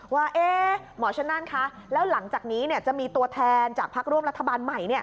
ว่าหมอชนนั่นคะแล้วหลังจากนี้จะมีตัวแทนจากพักร่วมรัฐบาลใหม่